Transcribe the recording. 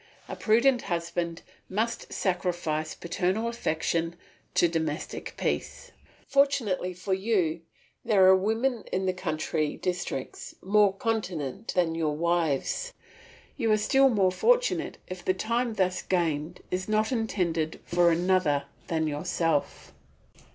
A prudent husband must sacrifice paternal affection to domestic peace. Fortunately for you there are women in the country districts more continent than your wives. You are still more fortunate if the time thus gained is not intended for another than yourself.